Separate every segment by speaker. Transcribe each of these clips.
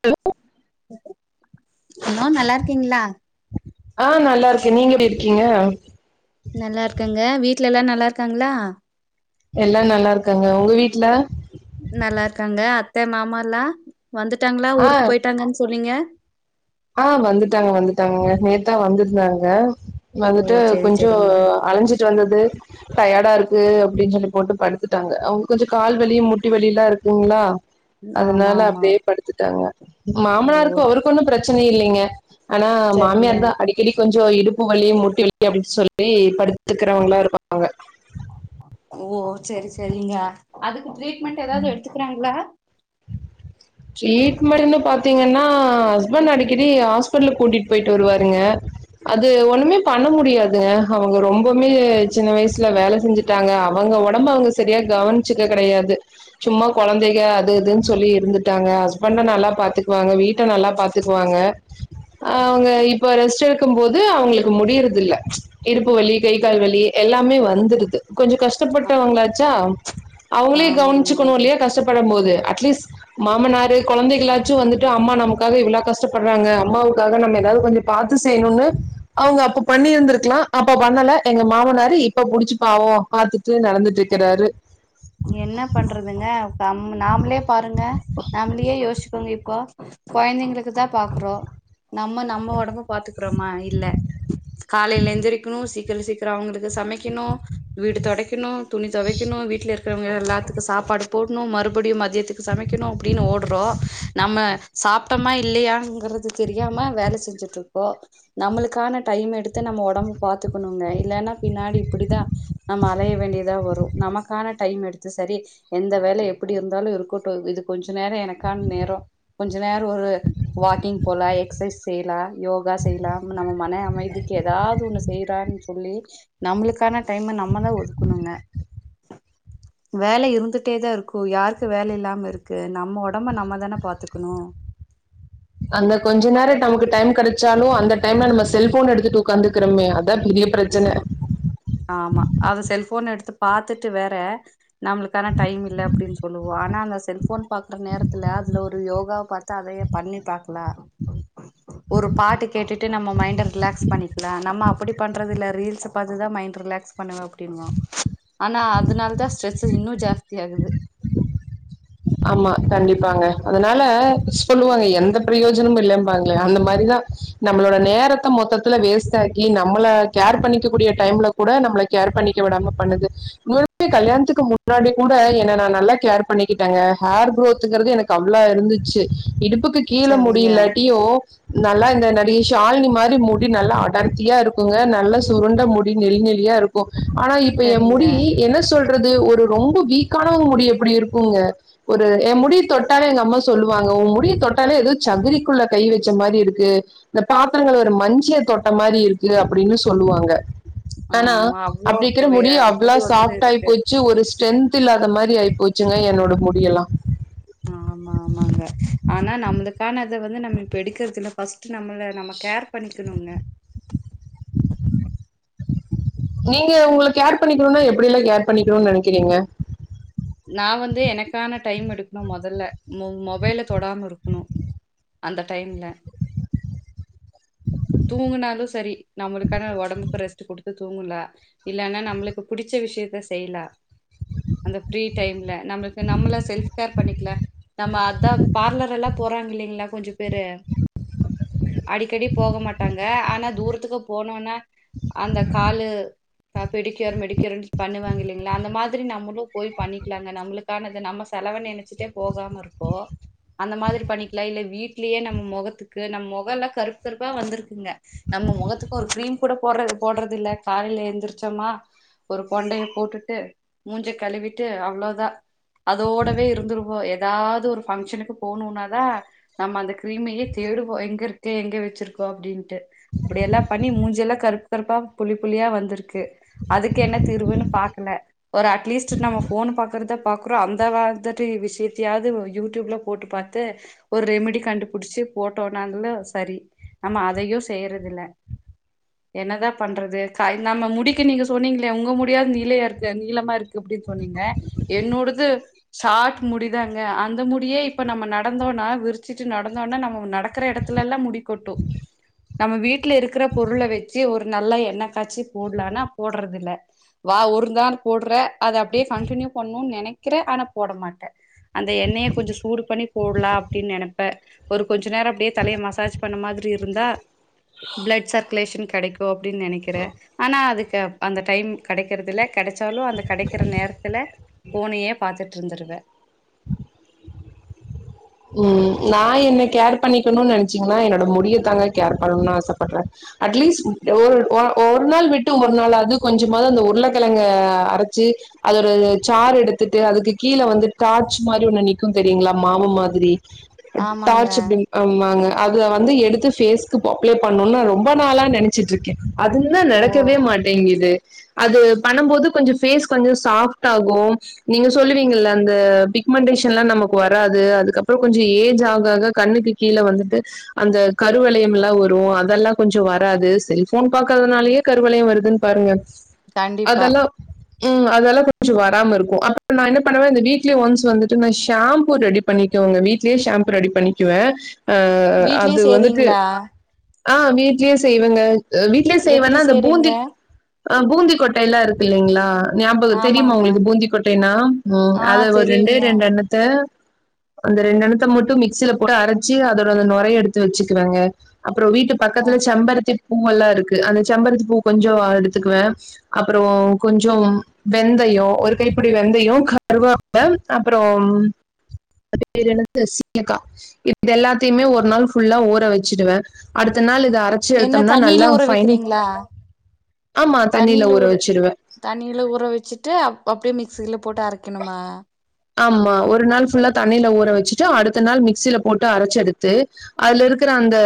Speaker 1: Hello
Speaker 2: hello நல்லா இருக்கீங்களா
Speaker 1: ஆ நல்லா இருக்கே நீங்க எப்படி இருக்கீங்க
Speaker 2: நல்லா இருக்கங்க வீட்ல எல்லா நல்லா இருக்காங்களா
Speaker 1: எல்லா நல்லா இருக்காங்க உங்க வீட்டுல
Speaker 2: நல்லா இருக்காங்க அத்த மாமாலா வந்துட்டாங்களா
Speaker 1: ஆ
Speaker 2: ஊருக்கு போயிட்டாங்கனு சொன்னீங்க
Speaker 1: ஆ வந்துட்டாங்க வந்துட்டாங்க நேத்தே வந்துருந்தாங்க
Speaker 2: ஓ
Speaker 1: வந்துட்டு
Speaker 2: செரி
Speaker 1: கொஞ்சோ
Speaker 2: செரிங்க
Speaker 1: அலஞ்சிட்டு வந்தது டயர்டா இருக்கு து அப்படின்னு சொல்லி போட்டு படுத்துட்டாங்க அவங்க கொஞ்சம் கால்வலிய முட்டி வழலிய எல்லாம் இருக்குங்களா
Speaker 2: ஆமா
Speaker 1: அதனால
Speaker 2: ஆமா
Speaker 1: அப்படியே படுத்துட்டாங்க
Speaker 2: ஓ
Speaker 1: மாமனாருக்கு அவருக்கு ஒன்னோ பிரச் பிரச்சன இல்லைங்க ஆனா
Speaker 2: சரிங்க
Speaker 1: மாமியார் தா அடிக்கடி கொஞ்சோ இடுப் பு வலி முட்டி வலி அப்படின்னு சொல்லி படுத்துக்கிறவங்களா இருப்பாங்க
Speaker 2: சரி சரிங்க அது ட்ரீட்மெண்ட் ஏதாவது எடுத்துக்கிறாங்களா
Speaker 1: ட்ரீட்மெண்ட்னு பாத்தீங்கன்னா ஹஸ்பண்ட் அடிக்கடி ஹாஸ் பிட்டலுக் கூட்டிட்டு போயிட்டு வருவாருங்க அது ஒண்ணுமே பண்ண முடியாதுங்க அவங்க ரொம்பவுமே சின்ன வயசுல வேல செஞ்சுட்டாங்க அவுங்க ஒடம்ப அவுங்க சரியா கவனிச்சக்க கெடையாது சும்மா கொழந்தைக அது இதுன்னு சொல்லி இருந்துட்டாங்க ஹஸ்பண்ட நல்லா பாத்துக்குவாங்க வீட் த்த நல்லா பாத்துக்குவாங்க ஹ அவுங்க இப்ப ரெஸ்ட் எடுக்கும் போது அவுங்களுக்கு முடியறது இல்ல இருப்பு வலி கை கால் வலி எல்லாமே வந்துடுது கொஞ்சோ
Speaker 2: ஆ
Speaker 1: கஷ்டப்பட்டவங்களாச்சா அவங்களே
Speaker 2: ஆமா
Speaker 1: கவண்ட்
Speaker 2: ஆமாங்க
Speaker 1: ச்சுக்கணூல்லயா கஷ்டப்படும் போது அட்லீஸ்ட் மாமனாரு குழந்தைகளாச்சும் வந்துட்டு அம்மா நமக்காக இவ்வளோ கஷ்டப்படுறாங்க அம்மாவுக்காக நம்ம ஏதாவது கொஞ்ஜொ பாத்து செய்யணுன்னு அவுங்க அப்ப பண்ணி இருந்ருக்கலா அப்ப பண்ணல எங்க மாமனாரு இப்ப புடிச்சுப்பாவோ பாத்துட்டு நடந்துட்டிக்கிறாரு
Speaker 2: என்ன பண்றதுங்க பம் நாமளே பாருங்க நம்ளயே யோஸ் தூங்கிப்பா கொயந்தைங்களுக் க்குதான் பாக்குறோ நம்ம நம்ம ஒடம்புக் பாத்துக்றோமா இல்ல காலைல எந்திரிக்கணூ சீக்கிர சீக்கிரொ அவங்களுக்கு சமைக்கணு வீடு தொடைக்கணு துணி தொவைக்கணு வீட்ல இருக் இவங்க எல்லாத்துக்கு சாப்பாடு போட்ணு மறுபடியும் மதியத்துக்கு சமைக்கணு அப்டீனு ஓடுறோ நம்ம சாப்ட்டமா இல்லையாங்குறது தெரியாம வேலை செஞ்சிட்ருக்கோ நம்மளுக்கான டைம் எடுத்து நம்ம ஒடம்ப பாத்துக்கணூங்க இல்லேனா பின்னாடி இப்பிடிதா நம்ம அலைய வேண்டியதா வரும் நமக்கான டைம் எடுத்து சரி எந்த வேலை எப்பிடி இருந்தாலும் இருக்கட்டூ இது கொஞ்ச நேர எனக்கான நேரோ கொஞ்ச நேரொரு வாக்கிங் போலா எக்சைஸ் செய்லா யோகா செய்லாம் நம்ம மன அமைதிக்கு ஏதாவது ஒண்ணு செய்ரான் சொல்லி நம்மளுக்கான டைம நம்மதான் ஒதுக்கணுங்க வேல இருந்துட்டே தான் இருக்கும் யாருக்கு வேலை இல்லாம இருக்கு நம்ம உடம்ப நம்மதான பாத்துக்கணு
Speaker 1: அந்த கொஞ்ச நேரோ நமக்கு டைம் கிடைச்சாலு அந்த டைம்ல நம்ம செல்போன் எடுத்துட்டு உட்காந்துக்கிறமே அதான் பெரிய பிரச்சனை
Speaker 2: ஆமா அத செல்போன் எடுத்து பாத்துட்டு வேற நம்ளுக்கான டைம் இல்ல அப்டின் சொல்லுவா ஆனா அந்த செல்போன் பாக்ற நேரத்துல அதுல ஒரு யோகாவ் பாத்து அதயே பண்ணி பாக்கலா ஒரு பாட்டு கேட்டுட் டு நம்ம மைண்ட ரிலாக்ஸ் பண்ணிக்கலா நம்ம அப்டி பண்றதில்ல ரீல்ஸ பாத்துதா மைண்ட் ரிலாக்ஸ் பண்ணுவ அப்டிங்கு ஆனா அதுனால தான் ஸ்ட்ரெஸ்ஸு இன்னு ஜாஸ்தி ஆகுது
Speaker 1: ஆமா கண்டிப்பாங்க அதனால சொல்லுவாங்க எந்த ப்ரியோஜனம் இல்ல பாங்ள அந்த மாரிதா நம்மளோட நேரத்த மொத்தத்துல வேஸ்ட் ஆக்கி நம்மள கேர் பண்ணிக்க கூடிய டைம்ல கூட நம்ள கேர் பண்ணிக்க விடாம பண்ணுது [unintelligible] கல்யாணத்துக்கு முன்னாடி கூட என்ன நான் நல்லா கேர் பண்ணிகி டங்க ஹேர் குரோத்துங்குறது எனக்கு அவ்ளோ இருந்துச்சு இடுப்புக்கு கீழ
Speaker 2: சரிங்க
Speaker 1: முடியில்லாட்டியு நல்லா இந்த நடிகை ஷாலினி மாரி முடி நல்லா அடர்த்தியா இருக்குங்க நல்லா சுருண்ட முடி நெளிநெளியா இருக்கு ஆனா இப்ப ஏ
Speaker 2: சரிங்க
Speaker 1: முடி என்ன சொல் றது ஒரு ரொம்பொ வீக்கான முடி எப்டி இருக்குங்க ஒரு ஏ முடி தொட்டாலே எங்கம்மா சொல்லுவாங்க உன் முடிய தொட்டாலே ஏதோ சகதிக்குள்ள கை வச்ச மாரி இருக்கு இந்த பாத்திரங்கள் ஒரு மஞ்சிய தொட்ட மாதிரி இருக்கு அப்படின்னு சொல்லுவாங்க ஆனா
Speaker 2: ஆமா அவ்ளோ
Speaker 1: அப்டிக்கிற
Speaker 2: வே
Speaker 1: முடி அவ்ளா
Speaker 2: முடிவுதரு
Speaker 1: சாப்ட்
Speaker 2: இருக்கு
Speaker 1: ஆய்ப்போச்சு ஒரு டென்த்தில்லாத மாரி ஆயி போச்சுங்க ஏ
Speaker 2: ஆமா ஆமாங்க ஆனா நம்மளுக்கானத வந்து நம்ம இப்ப எடுக்கிறதில்ல ஃபஸ்ட் நம்மள நம்ம கேர் பண்ணிக்கணுங்க
Speaker 1: நீங்க உங்கள கேர் பண்ணிக்கணுன்னா எப்டியெல்லா கேர் பண்ணிக்கணுன்னு நெனைக்கிறீங்க
Speaker 2: நா வந்து எனக்கான டைம் எடுக்கணு மொதல்ல மொ மொபைல தொடாம இருக்கணு அந்த டைம்ல தூங்குனாலு சரி நம்மளுக்கான ஒடம்புக்கு ரெஸ்ட் குடுத்து தூங்கலா இல்லனா நம்மளுக்கு புடிச்ச விஷயத்த செய்யலா அந்த ல்ல நம்மளுக்கு நம்மள செல்ப் கேர் பண்ணி [unintelligible] நம்ம அதா பார்லரெல்லா போறாங்கில்லிங்களா கொஞ்சோ பேரு அடிக்கடி போக மாட்டாங்க ஆனா தூரத்துக்கு போனோன்னா அந்த காலு பெடிக்குயூர் மெடிக்குயூர்ன்னு பண்ணுவாங்க இல்லைங்களா அந்த மாதிரி நம்மளும் போய் பண்ணிக்கலாங்க நம்மளுக்கானது நம்ம செலவ நினச்சிட்டே போகாம இருக்கோ அந்த மாதிரி பண்ணிக்கலா இல்ல வீட்லயே நம்ம முகத்துக்கு நம்ம முகலா கருப்பு கருப்பா வந்திருக்குங்க நம்ம முகத்துக்கு ஒரு கிரீம் கூட போட்ற போட்றதில்ல காலைல எந்திரிச்சோமா ஒரு கொண்டைய போட்டுட்டு மூஞ்ச கழுவிட் டு அவ்ளோதா அதோடவே இருந்துருவோ எதாவது ஒரு ஃபங்க்ஷனுக்கு போணுன்னாதா நம்ம அந்த கிரீமையே தேடுவோ எங்க இருக்கு எங்க வச்சிருக்கோ அப்டின்ட்டு இப்டியெல்லா பண்ணி மூஞ்செல்லா கருப்பு கருப்பா புள்ளி புள்ளியா வந்திருக்கு அதுக்கு என்ன தீர்வுன்னு பாக்கல ஒரு அட்லீஸ்ட் நம்ம ஃபோன்னு பாக்கறத பாக்குறோ அந்த [unintelligible] விஷயத்தையாவது யூடியூப்ல போட்டு பாத்து ஒரு ரெமிடி கண்டுப்புடிச்சு போட்டோனாங்கலு சரி நம்ம அதையு செய்யறதில்ல என்ன தா பண்றது கா நம்ம முடிக்கு நீங்க சொன்னீங்களே உங்க முடியாவது நீளையா இருக்கா நீளமா இருக்கு அப்டின் சொன்னிங்க என்னோடது சார்ட் முடிதாங்க அந்த முடியே இப்ப நம்ம நடந்தோன்னா விரிச்சிட்டு நடந்தோன்னா நம்ம நடக்கிற எடத்துலலா முடிக்கொட்டு நம்ம வீட்ல இருக்கிற பொருள வச்சு ஒரு நல்லா எண்ணெய காச்சி போடலான்னா போடுறதில்ல வா ஒருநாள் போட்ற அத அப் அப்டியே கண்டினியு பண்ணுன்னு நெனைக்கிறே ஆனா போட மாட்டே அந்த எண்ணெய கொஞ்சோ சூடு பண்ணி போட்லா அப்டின்னு நெனப்பே ஒரு கொஞ்ச நேர அப்டியே தலைய மசாஜ் பண்ண மாதிரி இருந்தா ப்ளட் சர்க்குலேஷன் கெடைக்கு அப்டின்னு நெனைக்கிறே ஆனா அதுக்கு அந்த டைம் கெடைக்கறதில்ல கெடச்சாலு அந்த கடைக் ருக்கிற நேரத்துல ஃபோனையே பாத்துட்டு இருந்தருவே
Speaker 1: ம் நா என்ன கேர் பண்ணிக்கணுன்னு நெனச்சீங்கன்னா என்னோட முடிய தாங்க கேர் பண்ணணுன்னு ஆசப்படுறே அட்லீஸ்ட் ஒ ஒ ஒரு நாள் விட்டு ஒரு நாளாது கொஞ்சமாது அந்த உருளக்கெழங்க அரைச்சு அதோட சார் எடுத்துட்டு அதுக்கு கீழே வந்து டார்ச் மாரி ஒன்னு நிக்கு தெரியுங்களா மாவு மா [unintelligible]
Speaker 2: ஆமாங்க
Speaker 1: டார்ச் அப்டிங் ஆமாங்க அத வந்து எடுத்து ஃப்பேஸ்க்கு அப்ளை பண்ணணுன்னு ரொம்ப நாளா நெனைச்சிட்டுருக்கே அதுன்னு தா
Speaker 2: ஓ
Speaker 1: நடக்கவே மாட்டேங்குது அது பண்ணம்போது கொஞ்சோ ஃப்பேஸ் கொஞ்சசோ சாஃப்ட்டாகும் நீங்க சொல்லுவீங்கள அந்த பிக்மெண்ட்டேஷன்லா நமக்கு வராது அதுக்கப்ப அப்பறோ கொஞ்சோ ஏஜ் ஆக ஆக கண்ணுக்கு கீழ வந்துட்டு அந்த கருவலையமெல்லா வரு அதெல்லா கொஞ்சோ வராது செல்போன் பாக்கறனாலயே கருவலய வருதுன்னு பாருங்க
Speaker 2: கண்டிப்பா
Speaker 1: அதெல்லாம் ம் அதெல்லா கொஞ்சோ வராம இருக்கு அப்ப நா என்ன பண்ணுவே இந்த வீக்லி ஒன்ஸ் வந்துட்டு நா ஷாம்பூ ரெடி பண்ணி உங்க வீட்லயே ஷாம்பு ரெடி பண்ணிக்குவே ஆ
Speaker 2: வீட்லயே
Speaker 1: அது வந்துட்டு
Speaker 2: செய்றீங்களா
Speaker 1: ஆ வீட்லயே செய்வங்க வீ்ட்லயே
Speaker 2: எப்படி
Speaker 1: செய்வேன்னா அந்த
Speaker 2: செய்றீங்க
Speaker 1: பூந்தி ஆ பூந்திக்கொட்டைலா இருக்கில்லைங்களா ஞாபக தெரியுமா
Speaker 2: ஆமாங்க
Speaker 1: உங்களுக்கு பூந்திக்கொட்டைனா ம்
Speaker 2: ஆ
Speaker 1: அத ஒரு
Speaker 2: தெரியுங்க
Speaker 1: ரெண்டேரெண்டு அன்னத்த அந்த ரெண்டு அனத்த மட்டு மிக்ஸில போட்டு அரச்சி அதோட அந்த நுரையை எடுத்து வச்சுக்குவங்க அப் அப்றோ வீட்டு
Speaker 2: ஓ,
Speaker 1: பக்கத்துல செம்பரத்தி பூவல்லா இருக்கு அந்த செம்பருத்தி பூ கொஞ்சோ எடுத்துக்குவே அப்றோ கொஞ்சோ வெந்தயம் ஒரு கைப்புடி வெந்தயம் கருவேப்புல அப்பறோ அது பேரு என்னது சீயக்கா இது எல்லாத்தையுமே ஒரு நாள் ஃபுல்லா ஊற வச்சிடுவே அடுத்த நாள் இத அரைச்சு
Speaker 2: என்ன
Speaker 1: எடுத்தோம்னா
Speaker 2: தண்ணில
Speaker 1: நல்லா ஃபைன்
Speaker 2: ஊறவக்கிறீங்களா
Speaker 1: ஆமா. தண்ணீல
Speaker 2: தண்ணில ஊற
Speaker 1: வச்சுருவேன்.
Speaker 2: தண்ணில ஊறவச்சுட்டு அப்டியே மிக் சில போட்டு அரைக்கணுமா
Speaker 1: ஆமா ஒரு நாள் ஃபுல்லா தண்ணில ஊற வச்சிட்டு அடுத்த நாள் மிக்சில போட்டு அரைச்சு எடுத்து அதுல இருக்கிற அந்த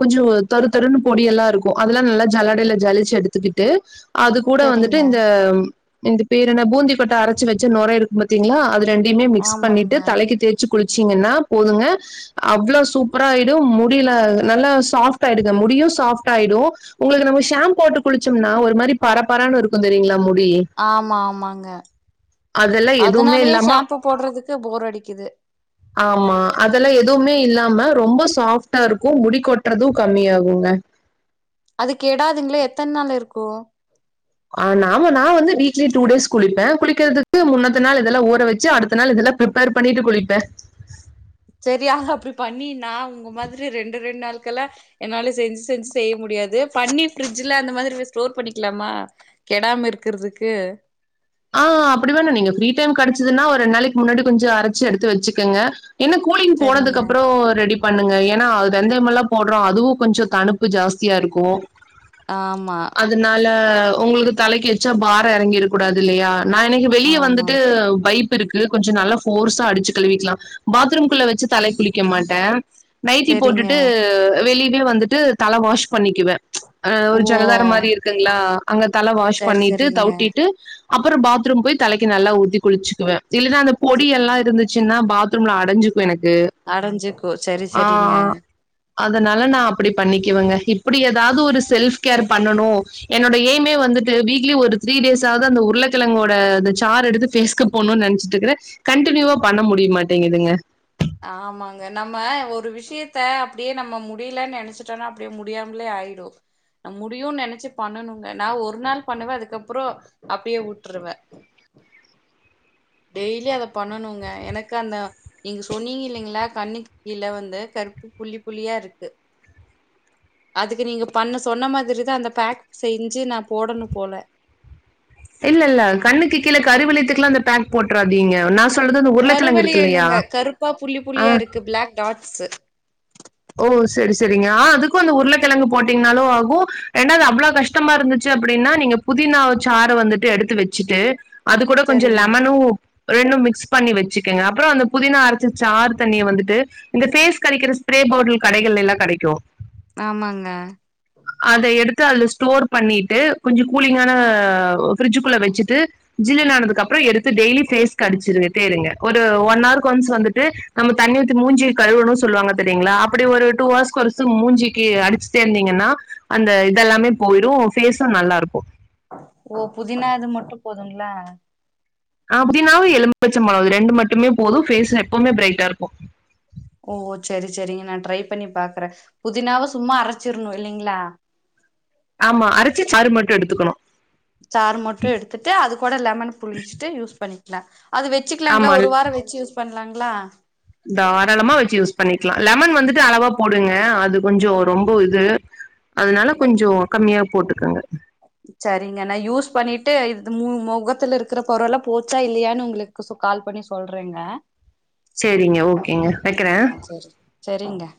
Speaker 1: கொஞ்ச தொருத்தொ ருன் பொடி எல்லாம் இருக்கு அதெல்லாம் நல்லா ஜல்லடையில ஜளிச்சு எடுத்துக்கிட்டு அது கூட வந்துட்டு
Speaker 2: சரிங்க
Speaker 1: இந்த இந்த பேரு என்ன பூந்தி கொட்டை அரைச்சு வச்சு நுர இருக்கு பாத்தீங்களா அது ரெண்டைமே மிக்ஸ்
Speaker 2: ஆமாங்க
Speaker 1: பண்ணிட்டு தலைக்கு தேச்சு குளிச்சீங்கன்னா போதுங்க அவ்ளோ சூப்பராயிடும் முடியில நல்லா சாப்ட் ஆயிடுங்க முடியும் சாப்ட் ஆயிடும் உங்களுக்கு நம்ம ஷாம்ப் குளுச்சோம்னா ஒரு மாதிரி பரப்பரனு இருக்கு தெரியுங்களா முடி
Speaker 2: ஆமா ஆமாங்க
Speaker 1: அதெல்லாம் எதுவுமே
Speaker 2: அதனாலயே
Speaker 1: இல்லாம
Speaker 2: சாம்ப்
Speaker 1: ஆமா அதெல்லாம் எதுவுமே இல்லாம ரொம்ப சாஃப்ட்டா இருக்கும் முடி கொட்டுறதும் கம்மியாகுங்க
Speaker 2: அது கெடாதுங்களா எத்தனை நாள் இருக்கும்
Speaker 1: ஆஹ் நாம நான் வந்து வீட்ல டூ டேஸ் குளிப்பேன் குளிக்கிறதுக்கு முன்னத்த நாள் இதெல்லாம் ஊற வச்சு அடுத்த நாள் இதெல்லாம் ப்ரிப்பேர் பண்ணிட்டு குளிப்பேன்
Speaker 2: சரியா அப்படி பண்ணி நான் உங்க மாதிரி ரெண்டு ரெண்டு நாள் குல்ல என்னால செஞ்சு செஞ்சு செய்ய முடியாது பண்ணி ஃப்ரிட்ஜுல அந்த மாத்ரி ஸ்டோர் பண்ணிக்லாமா கெடாம இருக்குறதுக்கு
Speaker 1: ஆஹ் அப்புடி வேணா நீங்க ஃப்ரீ டைம் கெடச்சுதுன்னா ஒரு ரெண்ட் நாளைக் முன்னாடி கொஞ்சொ அரச்சு எடுத்து வச்சுக்குங்க என்ன கூலிங்
Speaker 2: சரிங்க
Speaker 1: போனதுக்கப்றொ ரெடிப் பண்ணுங்க ஏனா அத் வெந்தயமல்லா போட்றோ அதுவு கொஞ்சொ தணுப்பு ஜாஸ்தியா இருக்கு
Speaker 2: ஆமா
Speaker 1: அ உங்களுக்கு தலைக்கு வச்சா பாரொ எறங்கிர கூடாது இல்லையா நா இன்னிக்கு வெளிய
Speaker 2: ஆமா
Speaker 1: வந்துட்டு பைப் இருக்கு கொஞ்சொ நல்லா ஃபோர்ஸா அடுச்சு கழுவிக்லா பாத்ரூம் குள்ள வெச்சு தலைக் குளிக்க மாட்ட நைட்டி
Speaker 2: சரிங்க
Speaker 1: போட்டுட்டு வெளி வெளிய வந்துட்டு தல வாஷ் பண்ணிக்குவே ம்ச் அஹ் ஒரு
Speaker 2: ஓ
Speaker 1: ஜலதார மாரி இருக்குங்ளா அங்க தல வாஷ்
Speaker 2: சரி
Speaker 1: பண்ணிட்டு
Speaker 2: சரிங்க
Speaker 1: தொவ்டிட்டு அப்றொ பாத்ரூம் போய் தலைக்கு நல்லா ஊத்தி குளிச்சுக்குவே இல்லனா அந்த பொடியெல்லா இருந்து சுன்னா பாத்ரூம்ல அடஞ்சு
Speaker 2: அடஞ்சுக்கு சரி சரிங்க
Speaker 1: அதனால நா அப்டி பண்ணிகுவங்க இப்புடி ஏதாவ்து ஒரு செல்ஃப் கேர் பண்ணனு என்னோட எய்மே வந்துட்டு வீக்லி ஒரு த்ரீ டேஸாவ்து அந்த உ உர்ழங்கெழங்கோட அந்த சார் எடுத்து ஃபேஸ்கு போட்ணுன் நென்சுட்ருக்குறே கன்டினுவா பண்ண முடியமாட்டிங்கிதுங்க
Speaker 2: ஆமாங்க நம்ம ஒரு விஷ்யத்த அப்டியே நம்ம முடியலன்னு நெனச்சுட்டோனா அப்டியே முடியாம்லே ஆய்டு நம் முடியு நெனச்சு பண்ணணுங்க நா ஒரு நாள் பண்ணுவே அதுக்கப்பறோ அப்டியே வுட்டுருவே டெய்லி அத பண்ணணுங்க எனக்கு அந்த நீங்க சொன்னீங்கில்லைங்ளா கண்ணுக் கீழ வந்து கருப்பு புள்ளி புள்ளியாருக்கு அதுக்கு நீங்க பண்ண சொன்ன மாதிரிதா அந்த பேக் செய்ஞ்சு நா போடணு போல
Speaker 1: இல்லல்ல கண்ணுக்கு கீழ கருவிளித்துக்லா அந்த பேக் போட்றாதீங்க நா
Speaker 2: கருவெளியோ இல்லங்க கருப்பா புள்ளி
Speaker 1: ஆ
Speaker 2: புள்ளியாருக்கு பிளாக் டாட்ஸு
Speaker 1: ஓ செரி செரிங்க ஆ அதுக்கு அந்த உருளகெழங்கு போட்டீங்னாலு ஆகு ரெண்டாவது அவ்ளோ கஷ்டமாருந்துச்சு அப்புடினா நீங்க புதினா சாறு வந்துட்டு எடுத்து வச்சிட்டு அது கூட கொஞ்சோ
Speaker 2: சரிங்க.
Speaker 1: லெமனு ரெண்டு மிக்ஸ் பண்ணி வச்சுகுங்க அப்றோ அந்த புதினா அரச்ச சாறு தண்ணிய வந்துட்டு இந்த ஃபேஸ் கரைக்குற ஸ்ப்ரே பாட்டில் கடைகள்ள எல்லா கெடைக்கு
Speaker 2: ஆமாங்க
Speaker 1: அத எடுத்து அதுல ஸ்டோர் பண்ணிட்டு கொஞ்சோ கூலிங்கான ஃபிரிட்ஜுகுள்ள வச்சுட்டு ஜில்லுனு ஆனதுக்கப்றோ எடுத்து டெய்லி ஃபேஸ்கடிச்சுரு தேருங்க ஒரு ஒன் ஆர்கு ஒன்ஸ் வந்துட்டு நம்ப தண்ணி ஊத்தி மூஞ்சிய கழுவனு சொல்லுவாங்க செரிங்ளா அப்டி ஒரு டூ ஆர்ஸ்கு ஒன்ஸு மூஞ்சிக்கு அடுச்சுட்டேருந்தீங்கன்னா அந்த இதெல்லாமே போய்டு ஃபேஸு நல்லாருக்கு
Speaker 2: ஓ புதினாது மட்டு போதுங்களா
Speaker 1: அப்டினாலு எலும்பிச்ச பழோ இது ரெண்டு மட்டுமே போது ஃபேஸ் எப்பவுமே பிரைட்டாருக்கு
Speaker 2: ஓ செரி செரிங்க நா ட்ரை பண்ணி பாக்றே புதினாவ சும்மா அரச்சிற்ணு இல்லிங்ளா
Speaker 1: ஆமா அரச்சு சாறு மட்டு எடுத்துக்குணு
Speaker 2: சாரு மட்டு எடுத்துட்டு அது கூட லெமன் புழுஞ்சிட்டு யூஸ் பண்ணி இல்ல அது வெச்சுக்லாங்ளா
Speaker 1: ஆமா
Speaker 2: ஒரு வாரோ வெச்சு யூஸ் பண்லாங் ளா
Speaker 1: தாராளமா வெச்சு யூஸ் பண்ணிக்லா லெமன் வந்துட்டு அளவா போடுங்க அது கொஞ்சோ ரொம்ப இது அதனால கொஞ்சோ கம்மியா போட்டு [unintelligible]
Speaker 2: சரிங்க நான் யூஸ் பண்ணிட்டு இது முகத்துல இருக்கிற பரு எல்லாம் போச்சா இல்லையான்னு உங்களுக்கு கால் பண்ணி சொல்றேங்க
Speaker 1: சரிங்க ஓகேங்க வக்கறே
Speaker 2: ஆ செரி செரிங்க